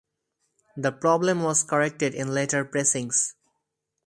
The problem was corrected in later pressings.